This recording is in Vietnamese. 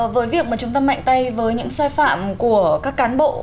với việc mà chúng ta mạnh tay với những sai phạm của các cán bộ